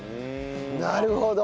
なるほど。